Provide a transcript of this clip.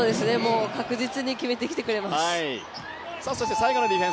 確実に決めてきてくれます。